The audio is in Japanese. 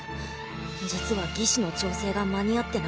実は義肢の調整が間に合ってなくて。